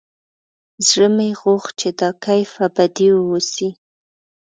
زړه مې غوښت چې دا کيف ابدي واوسي.